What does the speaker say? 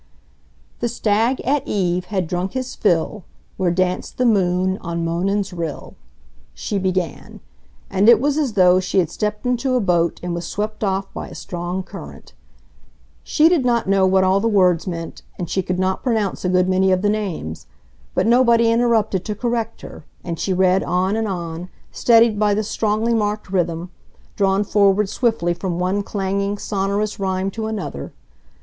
The Stag at eve had drunk his fill Where danced the moon on Monan's rill, she began, and it was as though she had stepped into a boat and was swept off by a strong current. She did not know what all the words meant, and she could not pronounce a good many of the names, but nobody interrupted to correct her, and she read on and on, steadied by the strongly marked rhythm, drawn forward swiftly from one clanging, sonorous rhyme to another.